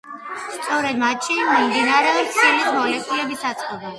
სწორედ მათში მიმდინარეობს ცილის მოლეკულების აწყობა.